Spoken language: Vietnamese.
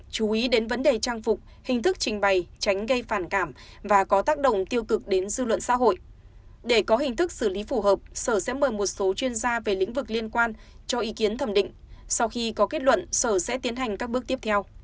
chú ý đến vấn đề trang phục hình thức trình bày tránh gây phản cảm và có tác động tiêu cực đến dư luận xã hội để có hình thức xử lý phù hợp sở sẽ mời một số chuyên gia về lĩnh vực liên quan cho ý kiến thẩm định sau khi có kết luận sở sẽ tiến hành các bước tiếp theo